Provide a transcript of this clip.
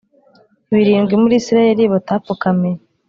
birindwi muri Isirayeli batapfukamiye